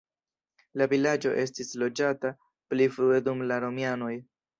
La vilaĝo estis loĝata pli frue dum la romianoj.